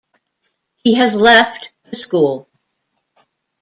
He has left the school.